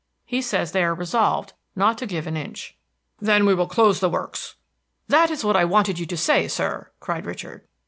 He says they are resolved not to give an inch." "Then we will close the works." "That is what I wanted you to say, sir!" cried Richard.